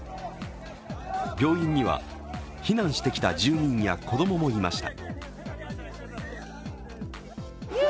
病院には、避難していた住民や子供もいました。